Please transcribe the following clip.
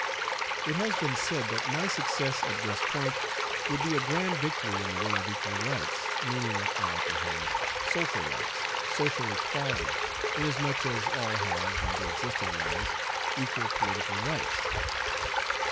It has been said that my success at West Point would be a grand victory in the way of equal rights, meaning, I apprehend, social rights, social equality, inasmuch as all have, under existing laws, equal political rights.